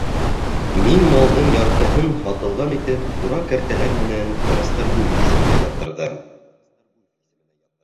Мин малдың яртыһын һатылған итеп ҡура-кәртәләр менән Расторгуев исеменә яҙҙырҙым.